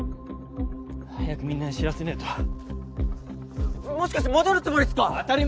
早くみんなに知らせねぇともしかして戻るつもりっすか？